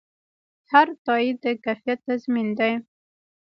هر تایید د کیفیت تضمین دی.